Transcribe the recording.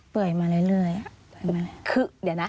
เปื่อยมาเรื่อย